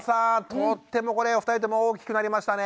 とってもこれお二人とも大きくなりましたね。